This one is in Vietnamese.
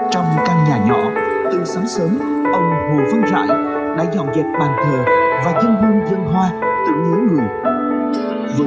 trong căn nhà nhỏ từ sáng sớm ông hồ văn rãi đã dọn dẹp bàn thờ và dân hương dân hoa tưởng nhớ người